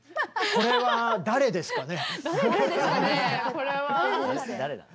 これは誰ですかね？